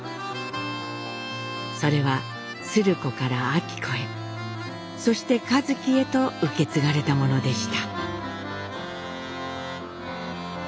それは鶴子から昭子へそして一輝へと受け継がれたものでした。